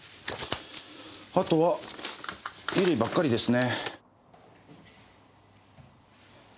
あとは衣類ばっかりですね。